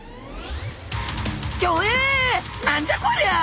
何じゃこりゃ！？